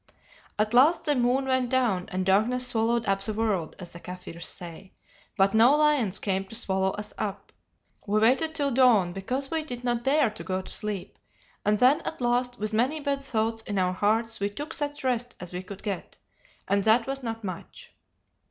At last the moon went down, and darkness swallowed up the world, as the Kaffirs say, but no lions came to swallow us up. We waited till dawn, because we did not dare to go to sleep, and then at last with many bad thoughts in our hearts we took such rest as we could get, and that was not much.